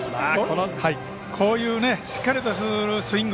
こういうしっかりとしたスイング。